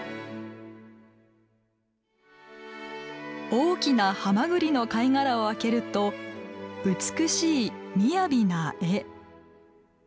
大きなハマグリの貝殻を開けると美しいみやびな絵。